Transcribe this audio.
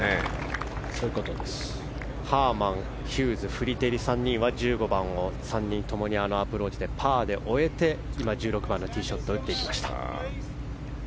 ハーマン、ヒューズフリテリの３人は１５番を３人共にあのアプローチでパーで終えて、１６番のティーショットを打ちました。